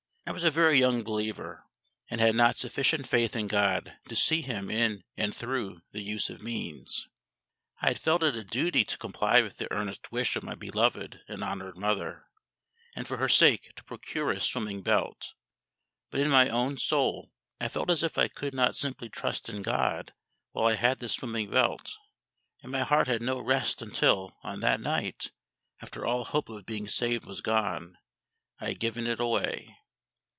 I was a very young believer, and had not sufficient faith in GOD to see Him in and through the use of means. I had felt it a duty to comply with the earnest wish of my beloved and honoured mother, and for her sake to procure a swimming belt. But in my own soul I felt as if I could not simply trust in GOD while I had this swimming belt; and my heart had no rest until on that night, after all hope of being saved was gone, I had given it away.